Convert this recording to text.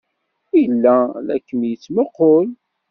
Yella la kem-yettmuqqul.